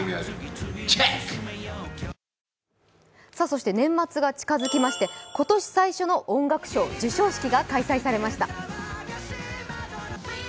そして年末が近づきまして、今年最初の音楽賞、授賞式が開催されました。